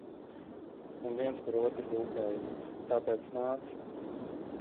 Un viens par otru rūpējamies Tāpēc, nāc!